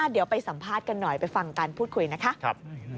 เดี๋ยวไปสัมภาษณ์กันหน่อยไปฟังการพูดคุยนะคะ